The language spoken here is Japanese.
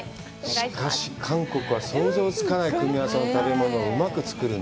しかし、韓国は想像つかない組み合わせの食べ物をうまく作るね。